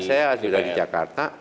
saya sudah di jakarta